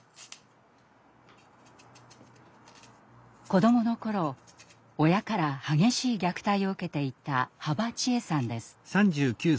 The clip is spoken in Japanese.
子どもの頃親から激しい虐待を受けていた羽馬千恵さんです。